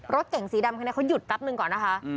รถเก่งสีดำคันนี้เขาหยุดแป๊บหนึ่งก่อนนะคะ